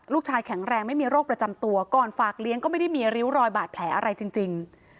แข็งแรงไม่มีโรคประจำตัวก่อนฝากเลี้ยงก็ไม่ได้มีริ้วรอยบาดแผลอะไรจริง